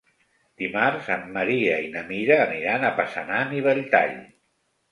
Dimarts en Maria i na Mira aniran a Passanant i Belltall.